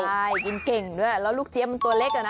ใช่กินเก่งด้วยแล้วลูกเจี๊ยมันตัวเล็กอะนะ